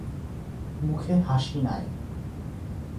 মুখে হাসি নাই।